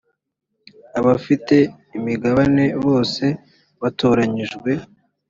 abafite imigabane bose batoranyijwe